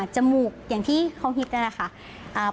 จมูกอย่างที่เขาคิดก็ได้ค่ะ